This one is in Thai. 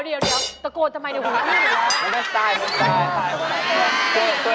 เดี๋ยวตะโกนทำไมในหัวพี่หรือเปล่า